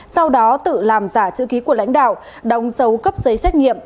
sau đó tự làm giả chữ ký của lãnh đạo đóng dấu cấp giấy xét nghiệm